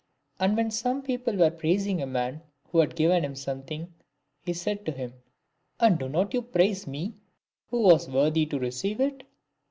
And when some people were praising a man who had given him some thing, he said to them, " And do not you praise me who was worthy to receive it?"